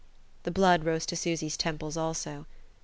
The blood rose to Susy's temples also.